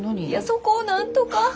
いやそこをなんとか。